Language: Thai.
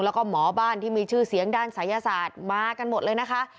แล้วก็หมอบ้านที่มีชื่อเสียงด้านศัยศาสตร์มากันหมดเลยนะคะ